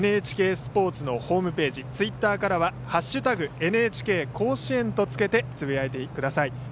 ＮＨＫスポーツのホームページツイッターからは「＃ＮＨＫ甲子園」とつけてつぶやいてください。